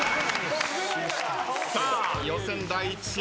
さあ予選第１試合。